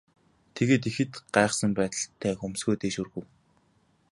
Тэгээд ихэд гайхсан байдалтай хөмсгөө дээш өргөв.